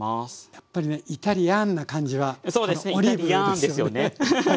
やっぱりねイタリアーンな感じはこのオリーブですよね。